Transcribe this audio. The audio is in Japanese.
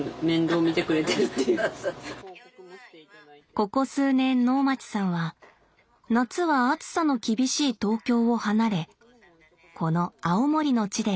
ここ数年能町さんは夏は暑さの厳しい東京を離れこの青森の地で暮らしています。